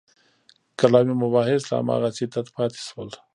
کلامي مباحث لا هماغسې تت پاتې شول.